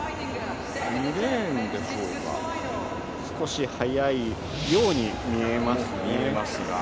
２レーンでしょうか、少し早いように見えます。